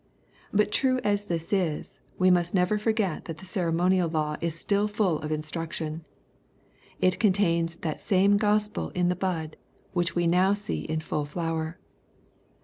But true as this is, we must never forget that the ceremonial law is still full of instruction. It contains that same Gospel in the bud, which we now see in fall flower.